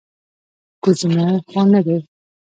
کوچنى خو نه دى.